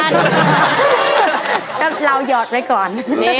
นำเรายอดไว้ก่อน